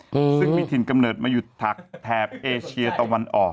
ซึ่งมีถิ่นกำเนิดมาหยุดถักแถบเอเชียตะวันออก